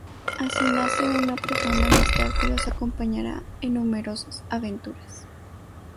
Así nace una profunda amistad que los acompañará en numerosas aventuras.